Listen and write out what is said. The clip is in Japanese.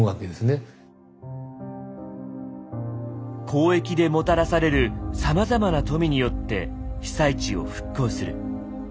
交易でもたらされるさまざまな富によって被災地を復興する。